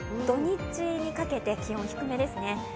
土日にかけて、気温低めですね。